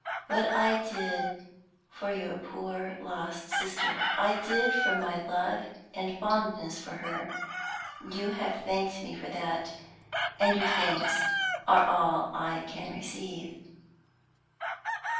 What I did for your poor lost sister I did from my love and fondness for her. You have thanked me for that, and your thanks are all I can receive."